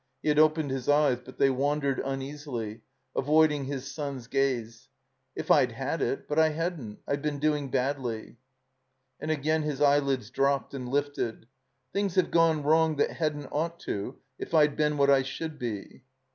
He had opened his eyes, but they wandered uneasily, avoiding his son's gaze. "If I'd had it. But I hadn't I've been, doing badly." And again his eyelids dropped and lifted. "Things have gone wrong that hadn't ought to if Fd been what I should be."